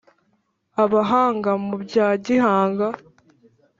abahanga mu bya gihanga